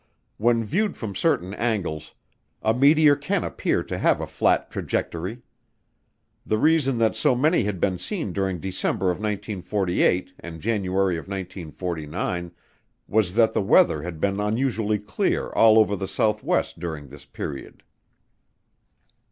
When viewed from certain angles, a meteor can appear to have a flat trajectory. The reason that so many had been seen during December of 1948 and January of 1949 was that the weather had been unusually clear all over the Southwest during this period.